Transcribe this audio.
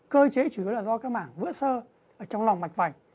cơ chế chủ yếu là do các mảng vữa sơ trong lòng mạch vành